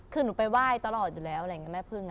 คือหนูไปไหว้ตลอดอยู่แล้วแม่พึ่งอะ